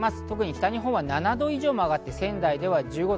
特に北日本は７度以上あがって仙台では１５度。